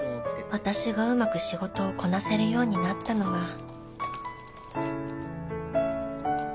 私がうまく仕事をこなせるようになったのは